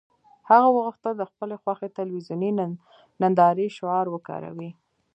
هغه غوښتل د خپلې خوښې تلویزیوني نندارې شعار وکاروي